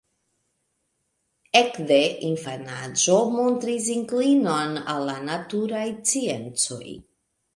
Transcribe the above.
Ek de infanaĝo montris inklinon al la naturaj sciencoj.